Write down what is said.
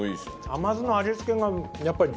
甘酢の味付けがやっぱり上手です。